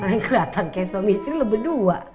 lain keliatan kayak suami istri lebar dua